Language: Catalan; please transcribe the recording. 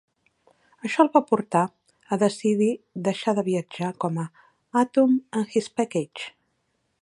Això el va portar a decidir deixar de viatjar com Atom and His Package.